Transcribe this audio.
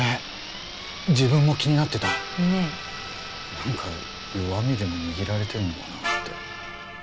なんか弱みでも握られてるのかなって。